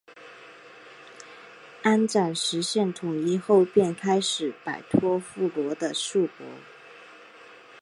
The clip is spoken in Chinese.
安赞实现统一后便开始摆脱暹罗的束缚。